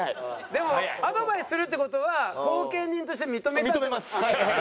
でもアドバイスするって事は後継人として認めた？